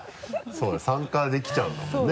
そうね参加できちゃうんだもんね。